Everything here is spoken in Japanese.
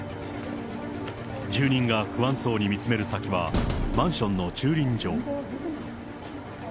住人が不安そうに見つめる先は、マンションの駐輪場。